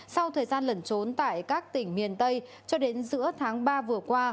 sau thời gian lẩn trốn tại các tỉnh miền tây cho đến giữa tháng ba vừa qua